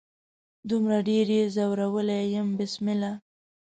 دومره ډیر يې ځورولي يم بسمله